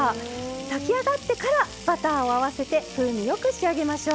炊き上がってからバターを合わせて風味よく仕上げましょう。